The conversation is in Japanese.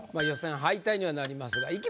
予選敗退にはなりますが。